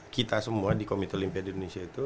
kita semua di komite olimpia di indonesia itu